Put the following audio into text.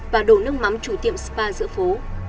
và đổ nước mắm chủ tiệm spa giữa phố